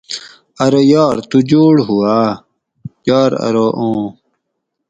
ارو یار تُو جوڑ ہُو آۤ ؟ یار ارو اُوں